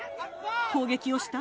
攻撃をした？